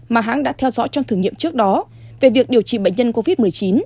mà hãng đã theo dõi trong thử nghiệm trước đó về việc điều trị bệnh nhân covid một mươi chín